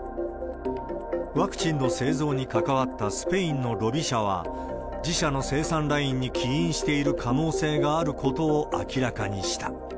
ワクチンの製造に関わったスペインのロビ社は、自社の生産ラインに起因している可能性があることを明らかにした。